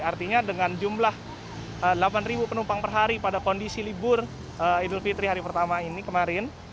artinya dengan jumlah delapan penumpang per hari pada kondisi libur idul fitri hari pertama ini kemarin